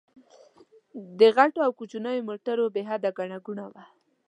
د غټو او کوچنيو موټرو بې حده ګڼه ګوڼه وه.